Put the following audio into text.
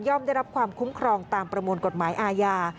ได้รับความคุ้มครองตามประมวลกฎหมายอาญา